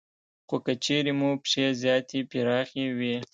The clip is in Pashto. خو که چېرې مو پښې زیاتې پراخې وي